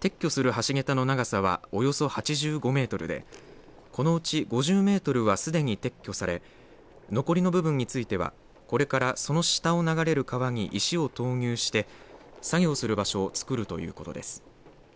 撤去する橋桁の長さはおよそ８５メートルでこのうち５０メートルはすでに撤去され残りの部分についてはこれからその下を流れる川に石を投入して作業する場所を作るということです。